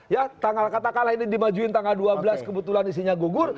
ya tanggal katakanlah ini dimajuin tanggal dua belas kebetulan isinya gugur